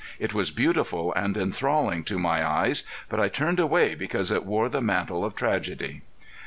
It was beautiful and enthralling to my eyes, but I turned away because it wore the mantle of tragedy.